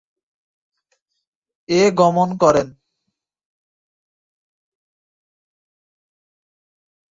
এ গমন করেন।